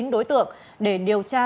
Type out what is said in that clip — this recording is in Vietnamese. chín đối tượng để điều tra